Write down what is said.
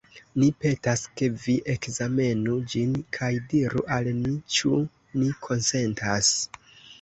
Ni petas, ke vi ekzamenu ĝin kaj diru al ni, ĉu ni konsentas.